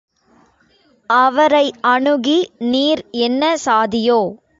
அவரை அணுகி நீர் என்ன சாதியோ?